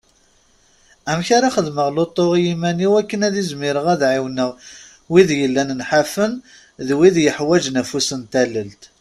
Amek ara xedmeɣ lutu i yiman-iw akken ad izmireɣ ad ɛiwneɣ wid yellan nḥafen d wid yeḥwaǧen afus n tallelt.